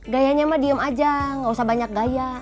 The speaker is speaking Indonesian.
gayanya mah diem aja gak usah banyak gaya